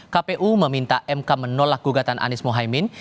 kpu meminta mk menolak gugatan anies mohaimin